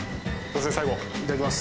最後いただきます。